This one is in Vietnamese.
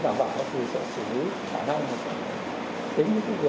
còn nếu mà